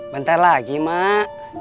bentar lagi mak